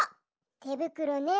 てぶくろねえ。